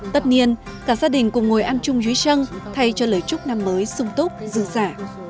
tất nhiên cả gia đình cùng ngồi ăn chung dưới sân thay cho lời chúc năm mới sung túc dư giả